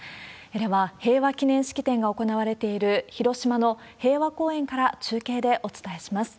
では、平和記念式典が行われている広島の平和公園から、中継でお伝えします。